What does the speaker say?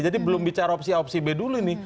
jadi belum bicara opsi a opsi b dulu ini